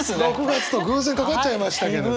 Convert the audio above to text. ６月と偶然掛かっちゃいましたけれど。